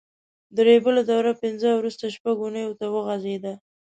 د ریبلو دوره پینځه او وروسته شپږ اوونیو ته وغځېده.